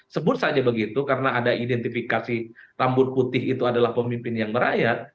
sebut saja begitu karena ada identifikasi rambut putih itu adalah pemimpin yang merayat